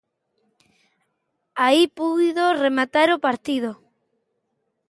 Aí puido rematar o partido.